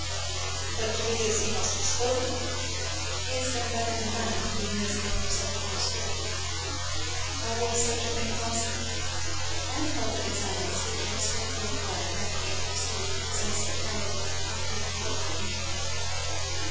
"But to do this he must have spoken?" "He has done better than that—he has made himself understood." "How was such a thing possible?" "By the help of his eyes, which are still full of life, and, as you perceive, possess the power of inflicting mortal injury."